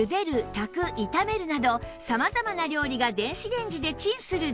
炊く炒めるなど様々な料理が電子レンジでチンするだけ